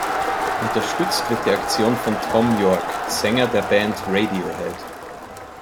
Unterstützt wird die Aktion von Thom Yorke, Sänger der Band Radiohead.